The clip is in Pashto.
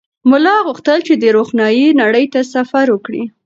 ملا غوښتل چې د روښنایۍ نړۍ ته سفر وکړي.